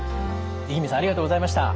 五十君さんありがとうございました。